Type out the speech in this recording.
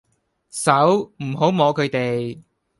手唔好摸佢哋